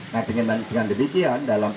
nah dengan demikian